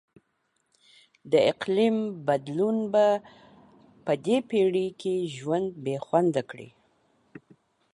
د اقلیم بدلون به په دې پیړۍ کې ژوند بیخونده کړي.